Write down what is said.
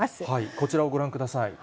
こちらをご覧ください。